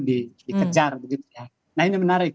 dikejar nah ini menarik